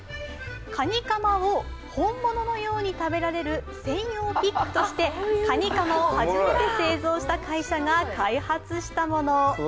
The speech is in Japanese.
カニカマを本物のように食べられる専用ピックとしてカニカマを初めて製造した会社が開発したもの。